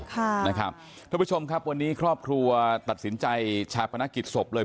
ค่ะนะครับทุกผู้ชมครับวันนี้ครอบครัวตัดสินใจชาปนักกิจศพเลย